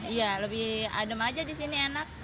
iya lebih adem aja di sini enak